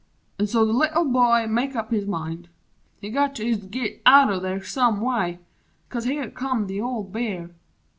An' so the Little Boy make up his mind He's got to ist git out o' there some way! 'Cause here come the old Bear!